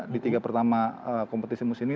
di tiga pertama kompetisi musim ini